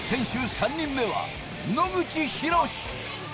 ３人目は野口裕史。